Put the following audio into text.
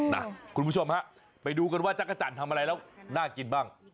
นะคุณผู้ชมฮะไปดูกันว่าจักรจันทร์ทำอะไรแล้วน่ากินบ้าง